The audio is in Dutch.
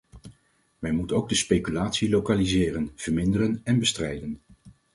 Men moet ook de speculatie lokaliseren, verminderen en bestrijden.